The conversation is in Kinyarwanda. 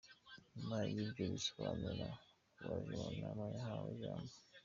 Nyuma y’ibyo bisobanuro, abaje mu nama bahawe ijambo.